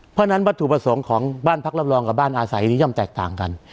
เพราะฉะนั้นวัตถุประสงค์ของบ้านพักรับรองกับบ้านอาศัยนี้ย่อมแตกต่างกัน